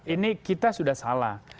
ini kita sudah salah